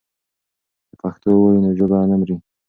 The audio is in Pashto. که پښتو ووایو نو ژبه نه مري.